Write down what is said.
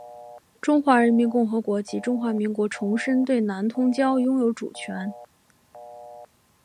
中华人民共和国及中华民国重申对南通礁拥有主权。